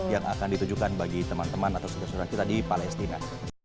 yang akan ditujukan bagi teman teman atau saudara saudara kita di palestina